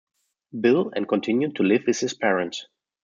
Bill and continued to live with his parents.